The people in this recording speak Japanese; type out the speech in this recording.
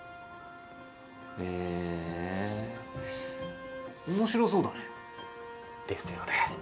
へえ面白そうだねですよね